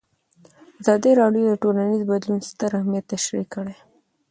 ازادي راډیو د ټولنیز بدلون ستر اهميت تشریح کړی.